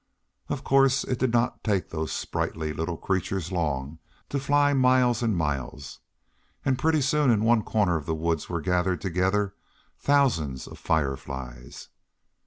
Of course, it did not take those sprightly little creatures long to fly miles and miles, and pretty soon in one corner of the woods were gathered together thousands of Fireflies.